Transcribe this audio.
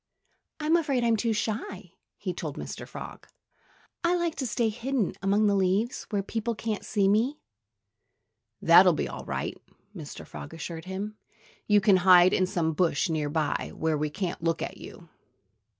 "I'm afraid I'm too shy," he told Mr. Frog. "I like to stay hidden among the leaves, where people can't see me." "That'll be all right!" Mr. Frog assured him. "You can hide in some bush near by, where we can't look at you."